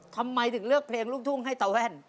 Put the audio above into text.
ทำไมถึงเลือกเพลงลูกทุ่งให้ตาแว่น